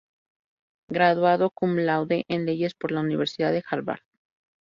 Graduado cum laude en Leyes por la Universidad de Harvard.